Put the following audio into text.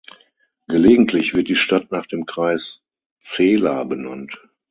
Gelegentlich wird die Stadt nach dem Kreis Cela benannt.